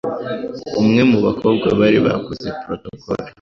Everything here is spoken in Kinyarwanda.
umwe mu bakobwa bari bakoze Protocole.